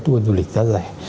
tour du lịch giá rẻ